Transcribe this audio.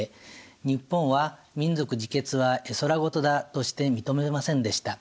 日本は民族自決は絵空事だとして認めませんでした。